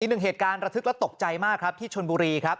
หนึ่งเหตุการณ์ระทึกและตกใจมากครับที่ชนบุรีครับ